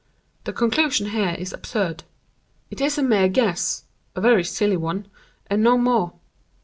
The conclusion here is absurd. It is a mere guess—a very silly one—and no more.